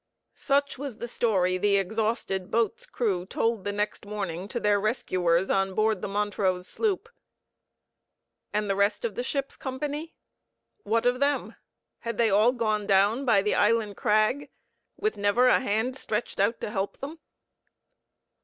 Such was the story the exhausted boat's crew told next morning to their rescuers on board the Montrose sloop. And the rest of the ship's company what of them? Had they all gone down by the island crag with never a hand stretched out to help them?